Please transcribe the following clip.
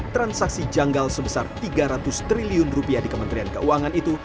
transaksi janggal sebesar tiga ratus triliun rupiah di kementerian keuangan itu